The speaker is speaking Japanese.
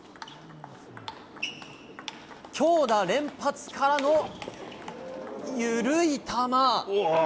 強打連発からの、緩い球。